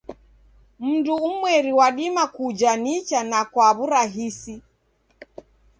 Mndu umweri wadima kuja nicha na kwa w'urahisi.